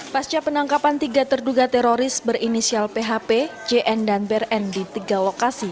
pasca penangkapan tiga terduga teroris berinisial php jn dan brn di tiga lokasi